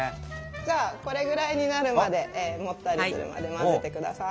じゃあこれぐらいになるまでもったりするまで混ぜてください。